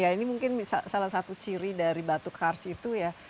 ya ini mungkin salah satu ciri dari batu kars itu ya